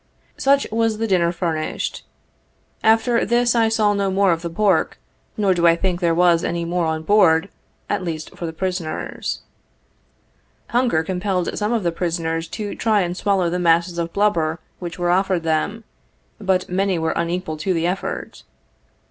Such was the dinner furnished us. After this I saw no more of the pork, nor do I think there was any more on board, at least for the prisoners. Hunger compelled some of the prisoners to try and swallow the masses of blubber which were offered them, but many were unequal to the effort.